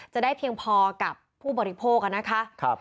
จะได้เพียงพอกับผู้บริโภคนะคะ